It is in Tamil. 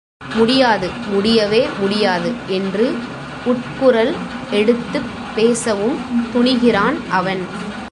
முடியாது முடியவே முடியாது! என்று உட்குரல் எடுத்துப் பேசவும் துணிகிறான் அவன்.